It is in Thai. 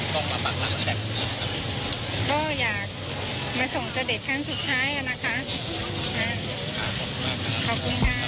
ขอบคุณมาก